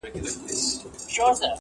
دا د زړه ورو مورچل مه ورانوی!!